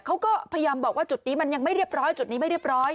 เขาก็พยายามบอกว่าจุดนี้มันยังไม่เรียบร้อยจุดนี้ไม่เรียบร้อย